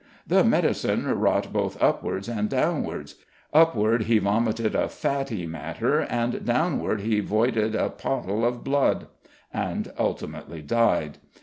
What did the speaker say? "The medicine wrought both upwards and downwards; upward he vomited a fatty matter, and downward he voided a pottle of bloud," and ultimately died.